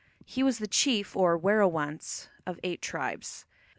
He was the chief, or werowance, of eight tribes.